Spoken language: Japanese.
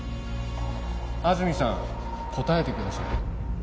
安積さん答えてください